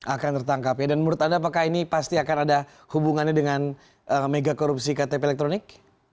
akan tertangkap ya dan menurut anda apakah ini pasti akan ada hubungannya dengan mega korupsi ktp elektronik